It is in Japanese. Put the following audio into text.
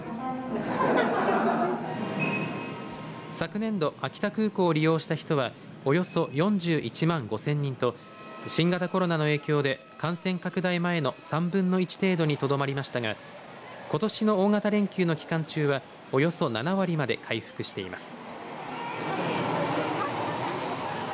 昨年度、秋田空港を利用した人はおよそ４１万５０００人と新型コロナの影響で感染拡大前の３分の１程度にとどまりましたがことしの大型連休の期間中はおよそ７割まで回復しています。